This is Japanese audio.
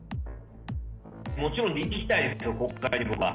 もちろん行きたいですよ、国会には。